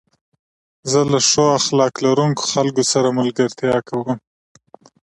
زه له ښو اخلاق لرونکو خلکو سره ملګرتيا کوم.